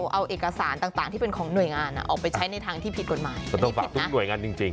เอาเอกสารต่างที่เป็นของหน่วยงานออกไปใช้ในทางที่ผิดกฎหมาย